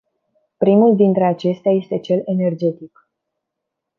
Primul dintre acestea este cel energetic.